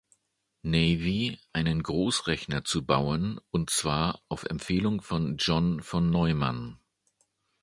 Navy, einen Großrechner zu bauen, und zwar auf Empfehlung von John von Neumann.